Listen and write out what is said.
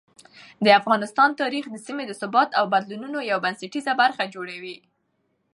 د افغانستان تاریخ د سیمې د ثبات او بدلونونو یو بنسټیزه برخه جوړوي.